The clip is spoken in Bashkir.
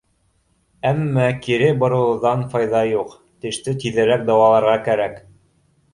Әммә кире боролоуҙан файҙа юҡ, теште тиҙерәк дауаларға кәрәк.